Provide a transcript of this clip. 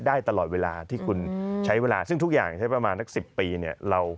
ได้ตลอดเวลาที่คุณใช้เวลาซึ่งทุกอย่างใช้ประมาณนัก๑๐ปีเนี่ย